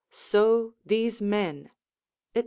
So these men, &c.